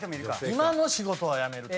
今の仕事は辞める。